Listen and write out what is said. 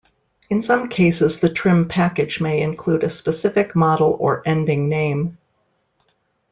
In some cases the trim package may include a specific model or ending name.